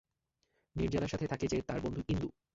নির্জারার সাথে থাকে যে তার বন্ধু, ইন্দু।